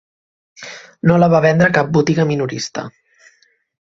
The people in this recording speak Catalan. No la va vendre a cap botiga minorista.